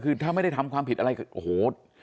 คือถ้าไม่ได้ทำความผิดอะไรโอ้โห